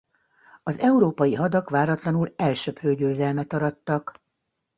Az európai hadak váratlanul elsöprő győzelmet arattak.